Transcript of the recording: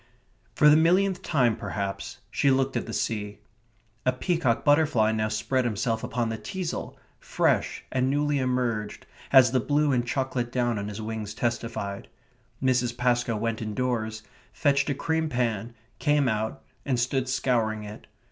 For the millionth time, perhaps, she looked at the sea. A peacock butterfly now spread himself upon the teasle, fresh and newly emerged, as the blue and chocolate down on his wings testified. Mrs. Pascoe went indoors, fetched a cream pan, came out, and stood scouring it.